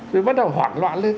thì bắt đầu hoảng loạn lên